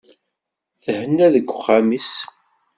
Thenna deg uxxam-is.